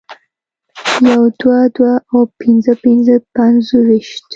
يو دوه دوه او پنځه پنځه پنځویشت